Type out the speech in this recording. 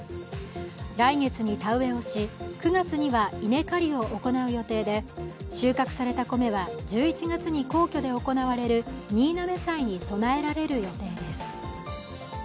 来月に田植えをし、９月には稲刈りを行う予定で収穫された米は１１月に皇居で行われる新嘗祭に備えられる予定です。